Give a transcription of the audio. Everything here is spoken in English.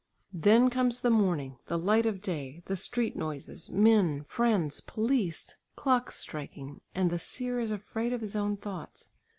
Then comes the morning, the light of day, the street noises, men, friends, police, clocks striking, and the seer is afraid of his own thoughts.